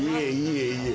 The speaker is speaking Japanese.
いえいえ。